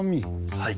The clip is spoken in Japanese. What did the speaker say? はい。